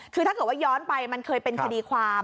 คือถ้าเกิดว่าย้อนไปมันเคยเป็นคดีความ